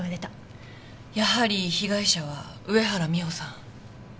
やはり被害者は上原美帆さん。